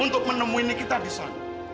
untuk menemui nikita di sana